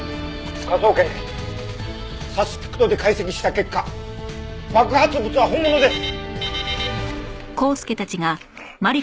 「科捜研」サスピクトで解析した結果爆発物は本物です！